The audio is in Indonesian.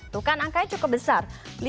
tuh kan angkanya cukup besar